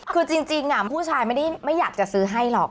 คือจริงผู้ชายไม่ได้ไม่อยากจะซื้อให้หรอก